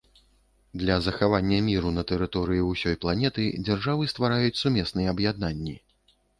Для захавання міру на тэрыторыі ўсёй планеты дзяржавы ствараюць сумесныя аб'яднанні.